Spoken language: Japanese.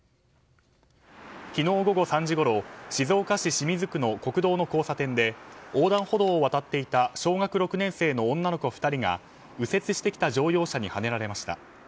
昨日午後３時ごろ静岡市清水区の国道の交差点で横断歩道を渡っていた小学６年生の女の子２人が右折してきた乗用車にはねられました。